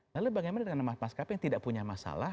lalu bagaimana dengan mas kp yang tidak punya masalah